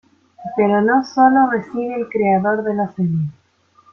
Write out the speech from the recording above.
Pero no solo recibe el creador de la serie.